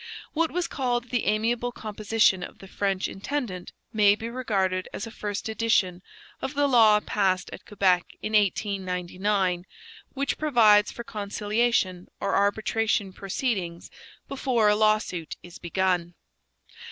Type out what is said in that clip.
What was called the amiable composition of the French intendant may be regarded as a first edition of the law passed at Quebec in 1899, which provides for conciliation or arbitration proceedings before a lawsuit is begun.